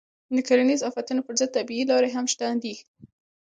د کرنیزو آفتونو پر ضد طبیعي لارې هم شته دي.